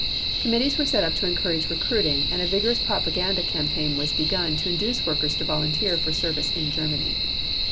Committees were set up to encourage recruiting, and a vigorous propaganda campaign was begun to induce workers to volunteer for service in Germany.